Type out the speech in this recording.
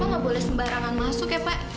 kau gak boleh sembarangan masuk ya pak